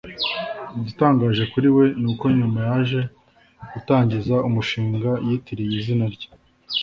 Igitangaje kuri we ni uko nyuma yaje gutangiza umushinga yitiriye izina rye